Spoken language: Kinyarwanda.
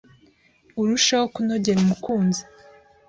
urusheho kunogera umukunzi